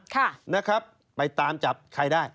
ค่ะนะครับไปตามจับใครได้